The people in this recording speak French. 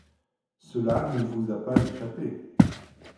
Cela ne vous a pas échappé.